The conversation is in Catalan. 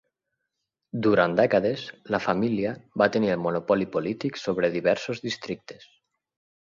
Durant dècades, la família va tenir el monopoli polític sobre diversos districtes.